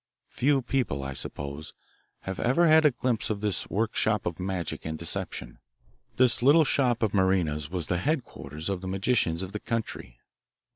Few people, I suppose, have ever had a glimpse of this workshop of magic and deception. This little shop of Marina's was the headquarters of the magicians of the country.